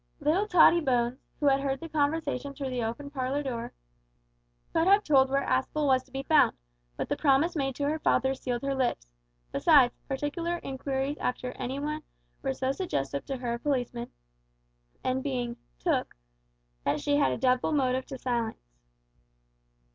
Little Tottie Bones, who had heard the conversation through the open parlour door, could have told where Aspel was to be found, but the promise made to her father sealed her lips; besides, particular inquiries after any one were so suggestive to her of policemen, and being "took," that she had a double motive to silence.